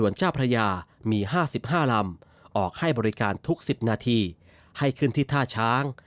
ลุก๑๐นาทีให้ขึ้นที่ท่าช้าง